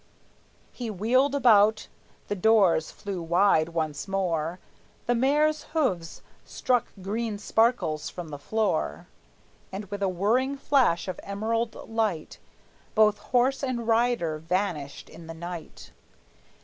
He wheeled about, the doors flew wide once more, The mare's hoofs struck green sparkles from the floor, And with a whirring flash of emerald light Both horse and rider vanished in the night.